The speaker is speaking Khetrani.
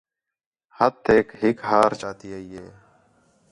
ہتھیک ہِک ہار چاتی آئی ہِے